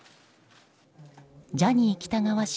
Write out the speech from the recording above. ジャニー喜多川氏